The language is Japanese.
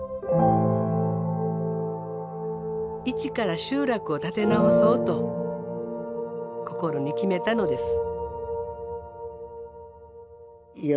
一から集落を立て直そうと心に決めたのです。